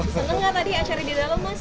seneng gak tadi acara di dalam mas